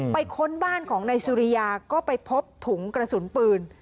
ค้นบ้านของนายสุริยาก็ไปพบถุงกระสุนปืน